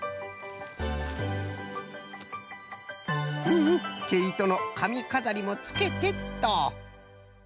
うんうんけいとのかみかざりもつけてと。